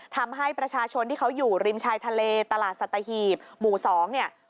ทำให้ประชาชนที่เขาอยู่ริมชายทะเลตลาดสัตหีบหมู่๒เนี่ย